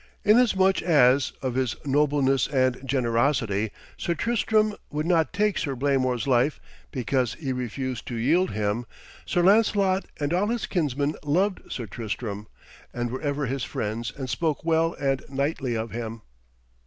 Inasmuch as, of his nobleness and generosity, Sir Tristram would not take Sir Blamor's life because he refused to yield him, Sir Lancelot and all his kinsmen loved Sir Tristram, and were ever his friends and spoke well and knightly of him.